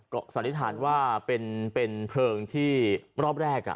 ก็สันนิษฐานว่าเป็นเพลิงที่รอบแรก